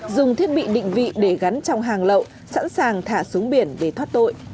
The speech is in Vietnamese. dùng thiết bị định vị để gắn trong hàng lậu sẵn sàng thả súng biển về thoát tội